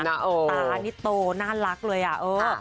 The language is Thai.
ตานี่โตน่ารักเลยอ่ะเออ